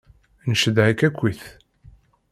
Ncedha-k akkit.